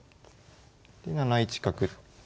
で７一角。